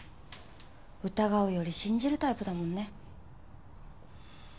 疑うより信じるタイプだもんね。